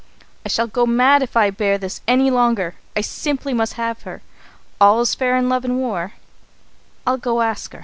I shall go mad if I bear this any longer. I simply must have her. 'All is fair in love and war' I'll go and ask her!"